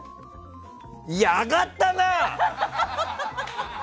いや、上がったな！